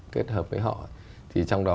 kết hợp với họ thì trong đó